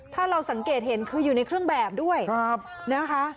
ถ้าเราสังเกตเห็นคืออยู่ในเครื่องแบบด้วยนะคะ